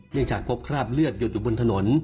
เนื่องจากพบคราบเลือดหยุดอยู่บนถนน